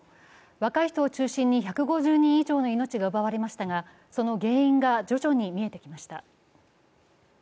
若い人を中心に１５０人以上の命が奪われましたがその原因が徐々に見えてきました。